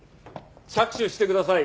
着手してください。